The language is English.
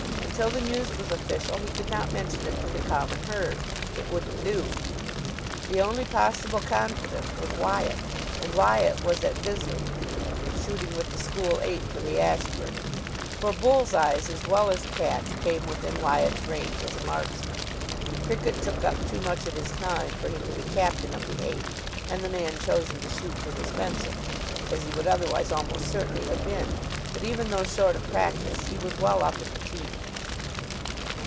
Until the news was official he could not mention it to the common herd. It wouldn't do. The only possible confidant was Wyatt. And Wyatt was at Bisley, shooting with the School Eight for the Ashburton. For bull's eyes as well as cats came within Wyatt's range as a marksman. Cricket took up too much of his time for him to be captain of the Eight and the man chosen to shoot for the Spencer, as he would otherwise almost certainly have been; but even though short of practice he was well up in the team.